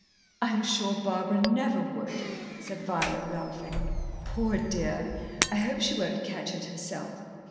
"I'm sure Barbara never would," said Violet, laughing. "Poor dear, I hope she won't catch it herself.